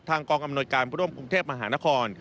กองอำนวยการร่วมกรุงเทพมหานคร